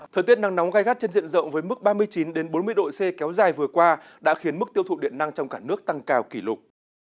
thời tiết nắng nóng gai gắt trên diện rộng với mức ba mươi chín bốn mươi độ c kéo dài vừa qua đã khiến mức tiêu thụ điện năng trong cả nước tăng cao kỷ lục